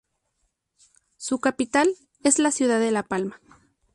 Su capital es la ciudad de La Palma.